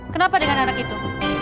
kenapa dengan anak itu